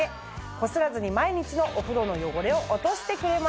こすらずに毎日のお風呂の汚れを落としてくれます。